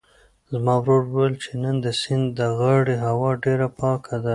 زما ورور وویل چې نن د سیند د غاړې هوا ډېره پاکه ده.